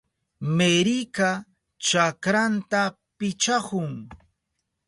Meryka chakranta pichahun.